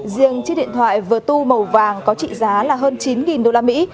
riêng chiếc điện thoại vờ tu màu vàng có trị giá là hơn chín đô la mỹ